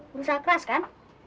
berusaha keras kan